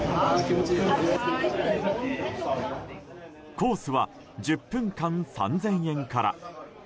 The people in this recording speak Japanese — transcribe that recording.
コースは１０分間３０００円から。